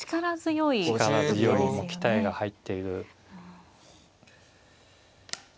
力強い鍛えが入っている。